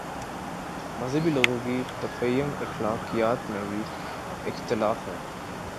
مذہبی لوگوں کی تفہیم اخلاقیات میں بھی اختلاف ہے۔